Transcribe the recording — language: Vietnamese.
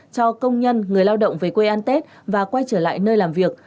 cho công nhân người lao động về quê an tết và quay trở lại nơi làm việc